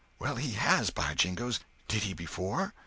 "Well, he has, by jingoes! Did he before?"